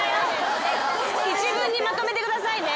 １文にまとめてくださいね。